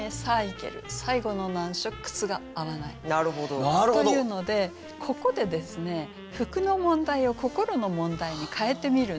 最後の難所靴が合わない」というのでここでですね服の問題を心の問題に変えてみるんです。